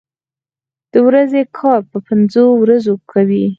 د ورځې کار په پنځو ورځو کوي.